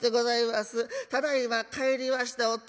ただいま帰りましたお父